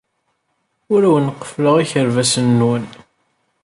Ur awen-qeffleɣ ikerbasen-nwen.